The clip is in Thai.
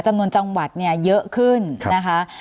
จำนวนจังหวัดเนี่ยเยอะขึ้นนะคะ